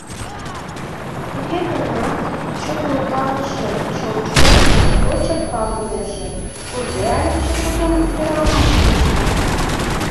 Туге гынат чыгылталтше чонжо моткочак палынеже: кузе Аликше тудым ӱдырамашым ышта.